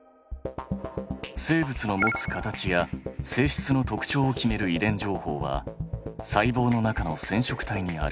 生物の持つ形や性質の特徴を決める遺伝情報は細胞の中の染色体にある。